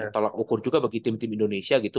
tolak ukur juga bagi tim tim indonesia gitu